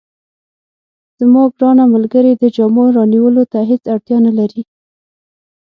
زما ګرانه ملګرې، د جامو رانیولو ته هیڅ اړتیا نه لرې.